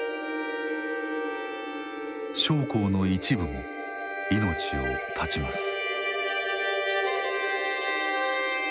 将校の一部も命を絶ちます。